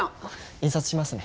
印刷しますね。